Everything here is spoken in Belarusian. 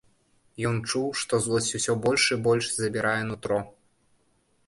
Ён чуў, што злосць усё больш і больш забірае нутро.